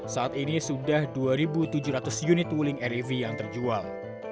saat ini sudah dua tujuh ratus unit wuling rev yang terjual